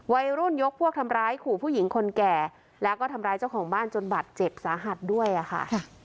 วัยรุ่นยกพวกทำร้ายขู่ผู้หญิงคนแก่แล้วก็ทำร้ายเจ้าของบ้านจนบัตรเจ็บสาหัสด้วยค่ะ